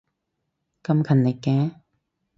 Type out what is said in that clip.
咁勤力嘅